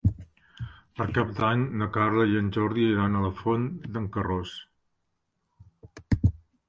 Per Cap d'Any na Carla i en Jordi iran a la Font d'en Carròs.